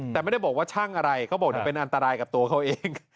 แต่ไม่ได้บอกว่าช่างอะไรเขาบอกเดี๋ยวเป็นอันตรายกับตัวเขาเอง